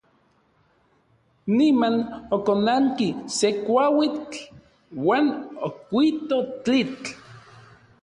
Niman okonanki se kuauitl uan okuito tlitl.